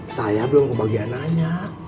saya belum kebahagiaan nanya